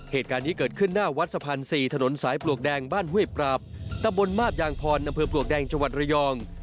เหตุการณ์นี้เกิดขึ้นหน้าวัดสะพาน๔ถนนสายปลวกแดงบ้านห้วยปราบตำบลมาบยางพรอำเภอปลวกแดงจังหวัดระยอง